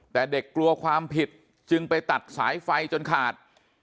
แต่เด็กกลัวความผิดจึงไปตัดสายไฟจนขาด